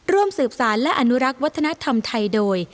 ร่วมสืบสารและอนุรักษ์วัฒนธรรมไทยโดย